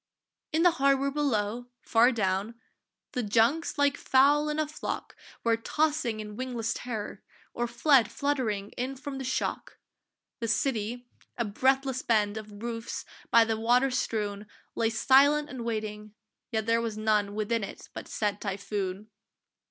In the harbour below, far down, The junks like fowl in a flock Were tossing in wingless terror, or fled Fluttering in from the shock. The city, a breathless bend Of roofs, by the water strewn, Lay silent and waiting, yet there was none Within it but said typhoon!